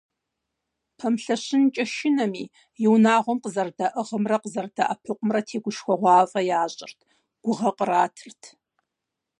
Пэмылъэщынкӏэ шынэми, и унагъуэм къызэрыдаӏыгъымрэ къызэрыдэӏэпыкъумрэ тегушхуэгъуафӀэ ящӏырт, гугъэ къратырт.